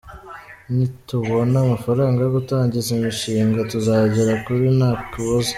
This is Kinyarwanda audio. Nitubona amafaranga yo gutangiza imishinga tuzagera kure nta kabuza”.